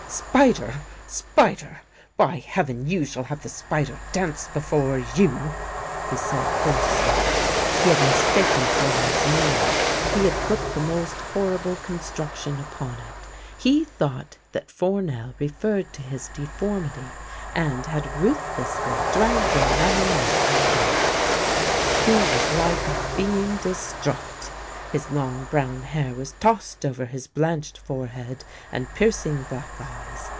" Spider ! Spider ! By Heaven, you shall have the spider dance before you! " he said hoarsely. He had mistaken Fournel 's meaning. He had put the most horrible construction upon it. He thought that Four nel referred to his deformity, and had ruthlessly dragged in Madelinette as well. He was like a being distraught. His long brown hair was tossed over his blanched forehead and piercing black eyes.